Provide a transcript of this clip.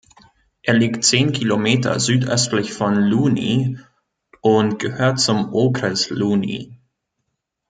Er liegt zehn Kilometer südöstlich von Louny und gehört zum Okres Louny.